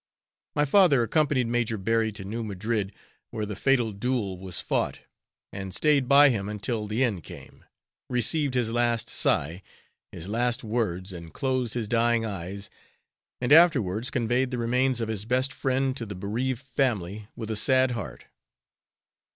My father accompanied Major Berry to New Madrid, where the fatal duel was fought, and stayed by him until the end came, received his last sigh, his last words, and closed his dying eyes, and afterwards conveyed the remains of his best friend to the bereaved family with a sad heart.